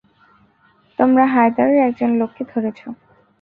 তোমরা হায়দারের একজন লোককে ধরেছ।